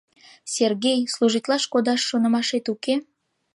— Сергей, служитлаш кодаш шонымашет уке?